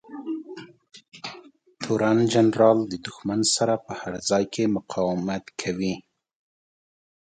تورن جنرال د دښمن سره په هر ځای کې مقاومت کوي.